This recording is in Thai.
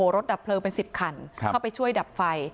รถดับเพลิงเป็น๑๐คันเข้าไปช่วยดับไฟ